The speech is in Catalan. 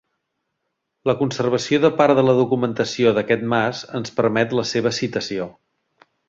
La conservació de part de la documentació d'aquest mas ens permet la seva citació.